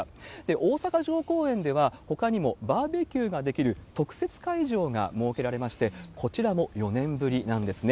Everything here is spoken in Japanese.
大阪城公園では、ほかにもバーベキューができる特設会場が設けられまして、こちらも４年ぶりなんですね。